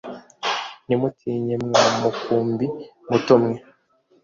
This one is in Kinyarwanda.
ntimutinye mwa mukumbi muto mwe